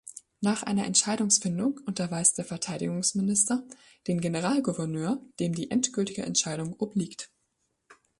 Nach einer Entscheidungsfindung unterweist der Verteidigungsminister den Generalgouverneur, dem die endgültige Entscheidung obliegt.